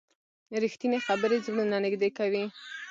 رښتیني خبرې زړونه نږدې کوي.